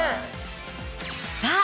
さあ